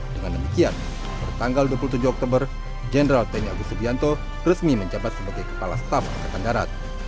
dengan demikian pertanggal dua puluh tujuh oktober jenderal tni agus subianto resmi menjabat sebagai kepala staf angkatan darat